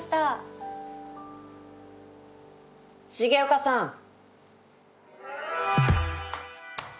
・重岡さん。